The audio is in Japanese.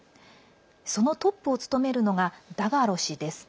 そのトップを務めるのがダガロ氏です。